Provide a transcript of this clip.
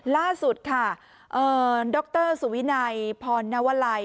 ล่าสุดค่ะดรสุวินัยพรนวลัย